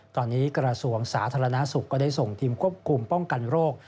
ตอนนี้กระทรวงสาธารณสุขก็ได้ส่งทีมควบคุมป้องกันโรค